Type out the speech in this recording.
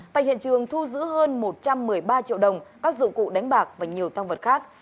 tại hiện trường thu giữ hơn một trăm một mươi ba triệu đồng các dụng cụ đánh bạc và nhiều tăng vật khác